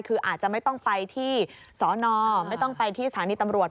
คืออาจจะไม่ต้องไปที่สอนอไม่ต้องไปที่สถานีตำรวจ